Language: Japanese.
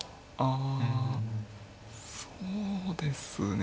あそうですね